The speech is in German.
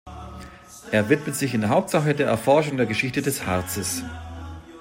Er widmet sich in der Hauptsache der Erforschung der Geschichte des Harzes.